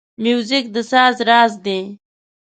موزیک د ساز راز دی.